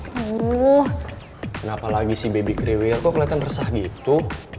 kenapa lagi si baby krewil kok kelihatan resah gitu